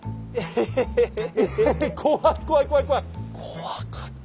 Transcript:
怖かった。